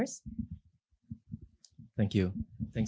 terima kasih terima kasih banyak